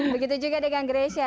begitu juga dengan grecia